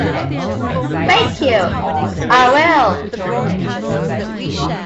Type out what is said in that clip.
Thank you, I will.